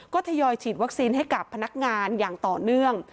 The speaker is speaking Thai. ก็ทยอยฉีดวัคซีนให้กับพนักงานอย่างต่อเนื่อง